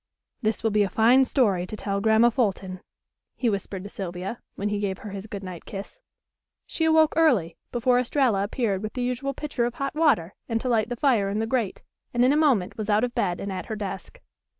"This will be a fine story to tell Grandma Fulton," he whispered to Sylvia, when he gave her his good night kiss. She awoke early, before Estralla appeared with the usual pitcher of hot water and to light the fire in the grate, and in a moment was out of bed and at her desk.